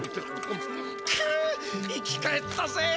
くっ生き返ったぜ。